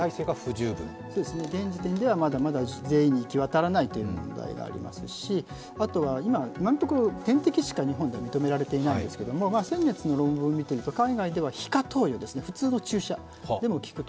現時点では、まだまだ全員に行き渡らないという状況がありますしあとは今のところ点滴しか日本では認められていないんですけど先月の論文を見ていると海外では皮下投与、普通の注射でも効くと。